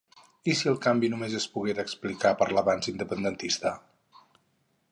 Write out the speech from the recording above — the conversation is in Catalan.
I si el canvi només es poguera explicar per l'avanç independentista?